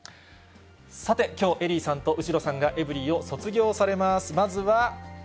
さて、きょう、エリーさんと後呂さんが、エブリィを卒業されます。